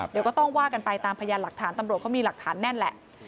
เดี๋ยวก็ต้องว่ากันไปตามพยานหลักฐานตำรวจเขามีหลักฐานแน่นแหละ